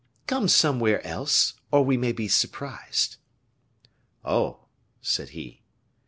come somewhere else; for we may be surprised." "Oh!" said he.